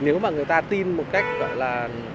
nếu mà người ta tin một cách gọi là